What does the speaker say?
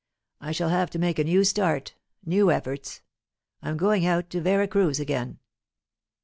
I shall have to make a new start, new efforts. I'm going out to Vera Cruz again."